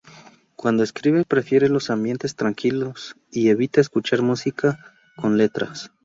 Cuando escribe prefiere los ambientes tranquilos y evita escuchar música con letra.